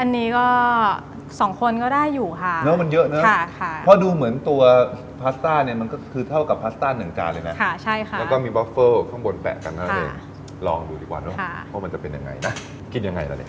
มองว่ามันจะเป็นยังไงนะกินยังไงอ่อนเนี้ย